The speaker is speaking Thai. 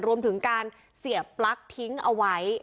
รวมถึงการเสียบทิ้งอาวัย